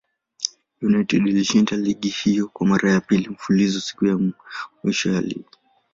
United ilishinda ligi hiyo kwa mara ya pili mfululizo siku ya mwisho ya ligi.